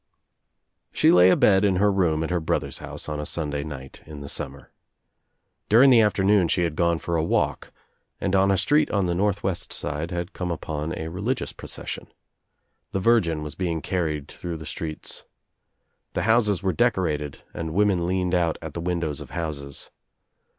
She lay abed in her room at her brother's house on a Sunday night in the summer. During the afternoon she had gone for a walk and on a street on the North west Side had come upon a religious procession. The Virgin was being carried through the streets. The houses were decorated and women leaned out at the windows of houses.